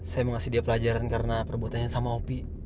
saya mau kasih dia pelajaran karena perbuatannya sama opi